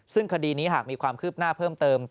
ซึ่งคดีนี้หากมีความคืบหน้าเพิ่มเติม